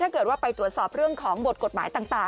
ถ้าเกิดว่าไปตรวจสอบเรื่องของบทกฎหมายต่าง